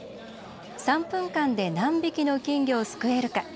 ３分間で何匹の金魚をすくえるか。